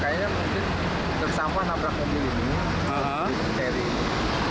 kayaknya mungkin truk sampah nabrak mobil ini carry ini